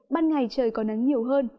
ban ngày trời có nắng nhiều hơn